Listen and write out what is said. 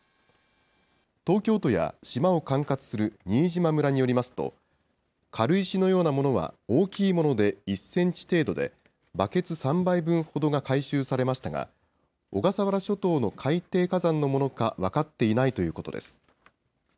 東京都や島を管轄する新島村によりますと、軽石のようなものは大きいもので１センチ程度で、バケツ３杯分ほどが回収されましたが、小笠原諸島の海底火山のものか分かっていないということです。